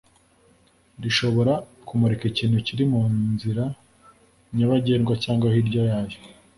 rishobora kumurika ikintu kiri mu nzira nyabagendwa cyangwa hirya yayo